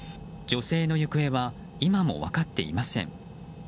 女性の行方は今も分かっていません。